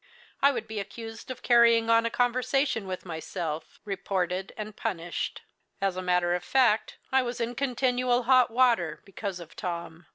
I would be accused of carrying on a conversation with myself, reported, and punished. As a matter of fact, I was in continual hot water because of Tom.